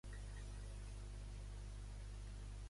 Goigs, ja que expressen una alegria vertadera d'estimar a la Mare.